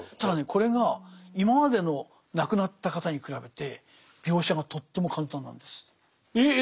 これが今までの亡くなった方に比べて描写がとっても簡単なんです。え？え？